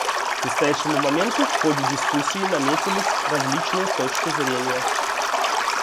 К настоящему моменту в ходе дискуссий наметились различные точки зрения.